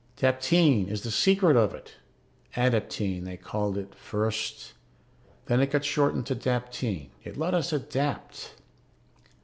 _ Daptine is the secret of it. Adaptine, they called it first; then it got shortened to daptine. It let us adapt.